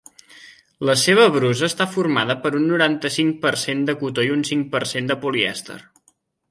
La seva brusa està formada per un noranta-cinc per cent de cotó i un cinc per cent de polièster.